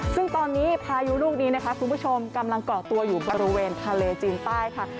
ซึ่งตอนนี้พายุลูกนี้นะคะคุณผู้ชมกำลังเกาะตัวอยู่บริเวณทะเลจีนใต้ค่ะ